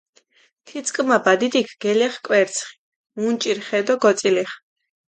თიწკჷმა ბადიდიქ გელეღჷ კვერცხი, მუნჭირჷ ხე დო გოწილიხჷ.